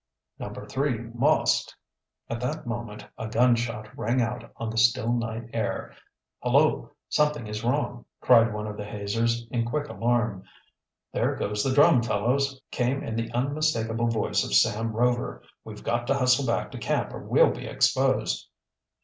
"Number three must " At that moment a gun shot rang out on the still night air. "Hullo, something is wrong!" cried one of the hazers, in quick alarm. "There goes the drum, fellows!" came in the unmistakable voice of Sam Rover. "We've got to hustle back to camp or we'll be exposed!"